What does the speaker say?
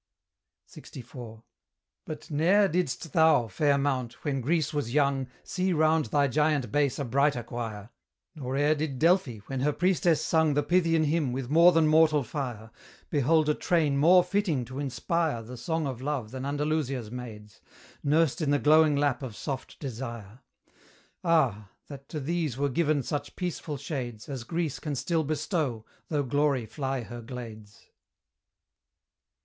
LXIV. But ne'er didst thou, fair mount, when Greece was young, See round thy giant base a brighter choir; Nor e'er did Delphi, when her priestess sung The Pythian hymn with more than mortal fire, Behold a train more fitting to inspire The song of love than Andalusia's maids, Nurst in the glowing lap of soft desire: Ah! that to these were given such peaceful shades As Greece can still bestow, though Glory fly her glades.